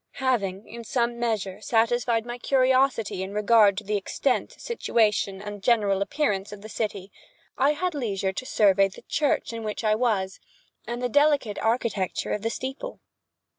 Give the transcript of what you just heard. Having, in some measure, satisfied my curiosity in regard to the extent, situation, and general appearance of the city, I had leisure to survey the church in which I was, and the delicate architecture of the steeple.